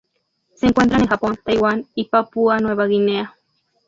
Se encuentran en Japón, Taiwán y Papúa Nueva Guinea.